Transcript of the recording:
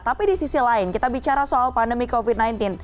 tapi di sisi lain kita bicara soal pandemi covid sembilan belas